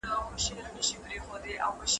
تاسي هغه نجلۍ ولي بېدوئ؟